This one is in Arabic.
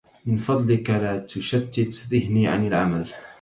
من فضلك لا تشتّت ذهني عن العمل.